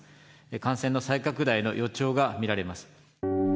感染の再拡大の予兆が見られます。